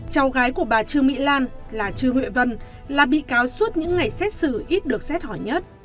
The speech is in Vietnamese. cháu gái của bà trương mỹ lan là trương huệ vân là bị cáo suốt những ngày xét xử ít được xét hỏi nhất